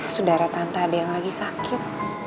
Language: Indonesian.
saudara tante ada yang lagi sakit